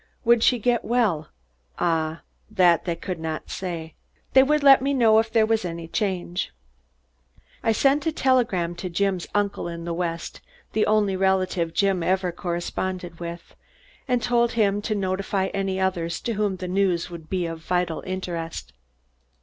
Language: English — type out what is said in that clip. Would she get well? Ah, that they could not say. They would let me know if there was any change. I sent a telegram to Jim's uncle in the West, the only relative Jim ever corresponded with, and told him to notify any others to whom the news would be of vital interest.